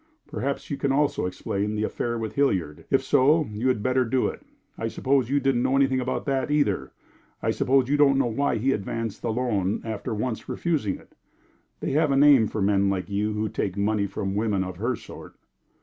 "Perhaps you can also explain that affair with Hilliard. If so, you had better do it. I suppose you didn't know anything about that, either. I suppose you don't know why he advanced that loan after once refusing it. They have a name for men like you who take money from women of her sort."